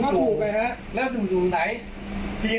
เมื่อเวลามานั่งกินกาแฟ